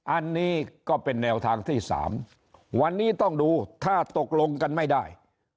อันนี้ก็เป็นแนวทางที่สามวันนี้ต้องดูถ้าตกลงกันไม่ได้